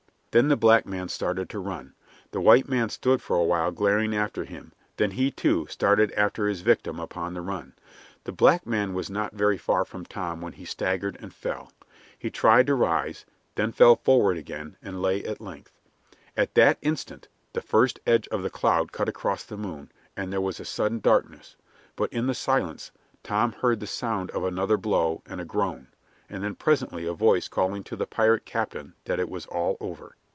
Then the black man started to run. The white man stood for a while glaring after him; then he, too, started after his victim upon the run. The black man was not very far from Tom when he staggered and fell. He tried to rise, then fell forward again, and lay at length. At that instant the first edge of the cloud cut across the moon, and there was a sudden darkness; but in the silence Tom heard the sound of another blow and a groan, and then presently a voice calling to the pirate captain that it was all over.